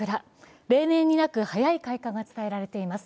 例年になく早い開花が伝えられています。